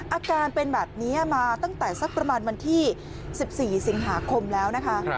อาการเป็นแบบนี้มาตั้งแต่สักประมาณวันที่๑๔สิงหาคมแล้วนะคะ